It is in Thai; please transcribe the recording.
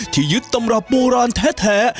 ที่ยึดตำรับโบราณแท้